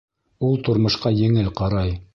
Ул тормошҡа еңел ҡарай.